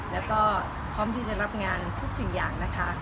แล้วก็พร้อมที่จะรับงานทุกสิ่งอย่างนะคะ